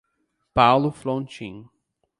Paulo Frontin